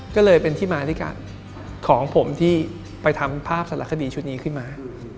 ก็เลยเป็นที่มาด้วยกันของผมที่ไปทำภาพสารคดีชุดนี้ขึ้นมา